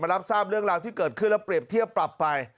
รับทราบเรื่องราวที่เกิดขึ้นแล้วเปรียบเทียบปรับไป